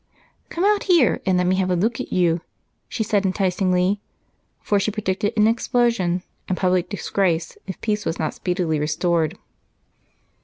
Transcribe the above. "Come out here and let me have a look at you," she said enticingly, for she predicted an explosion and public disgrace if peace was not speedily restored.